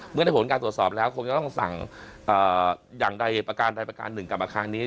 เมื่อได้ผลการตรวจสอบแล้วคงจะต้องสั่งอย่างใดประการ๑กับอาคารนี้